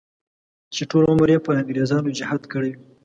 چې ټول عمر یې پر انګریزانو جهاد کړی وي.